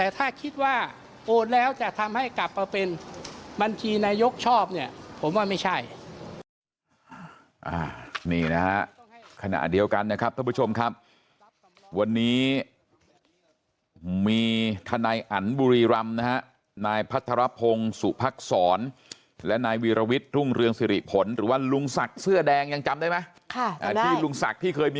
ที่นายกชอบเนี่ยผมว่าไม่ใช่